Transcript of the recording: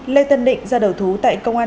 lê tân định ra đầu thú tại công an